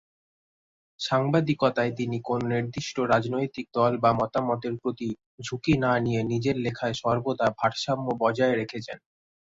সাংবাদিকতায় তিনি কোনও নির্দিষ্ট রাজনৈতিক দল বা মতামতের প্রতি ঝুঁকি না দিয়ে নিজের লেখায় সর্বদা ভারসাম্য বজায় রেখেছেন।